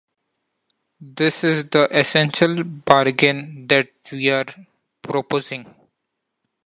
This is the essential bargain that we are proposing.